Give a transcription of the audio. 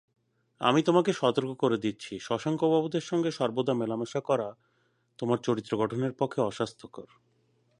আমি তোমাকে সতর্ক করে দিচ্ছি, শশাঙ্কবাবুদের সঙ্গে সর্বদা মেলামেশা তোমার চরিত্রগঠনের পক্ষে অস্বাস্থ্যকর।